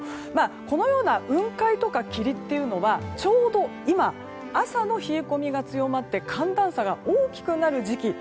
このような雲海とか霧というのはちょうど今朝の冷え込みが強まって寒暖差が大きくなる時期。